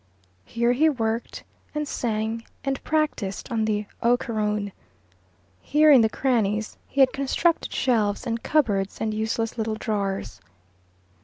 Here he worked and sang and practised on the ocharoon. Here, in the crannies, he had constructed shelves and cupboards and useless little drawers.